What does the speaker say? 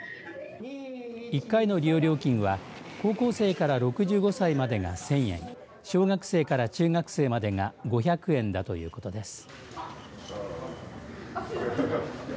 １回の利用料金は高校生から６５歳までが１０００円、小学生から中学生までが５００円だということです。